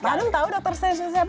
tahu nggak sih doctor strange ini siapa